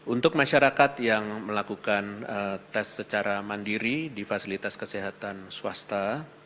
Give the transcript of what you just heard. untuk masyarakat yang melakukan tes secara mandiri di fasilitas kesehatan swasta